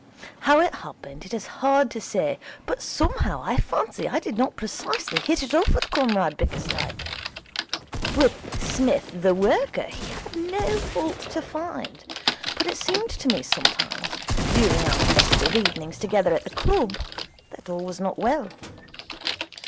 How it happened it is hard to say, but somehow I fancy I did not precisely hit it off with Comrade Bickersdyke. With Psmith, the worker, he had no fault to find; but it seemed to me sometimes, during our festive evenings together at the club, that all was not well.